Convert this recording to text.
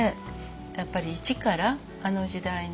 やっぱり一からあの時代の人をね